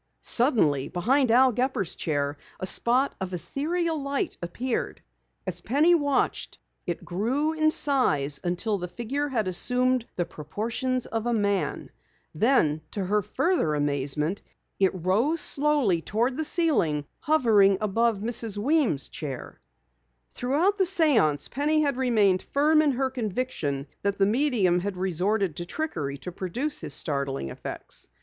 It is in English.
Suddenly, behind Al Gepper's chair a spot of ethereal light appeared. As Penny watched, it grew in size until the figure had assumed the proportions of a man. Then, to her further amazement, it slowly rose toward the ceiling, hovering above Mrs. Weems' chair. Throughout the séance Penny had remained firm in her conviction that the medium had resorted to trickery to produce his startling effects.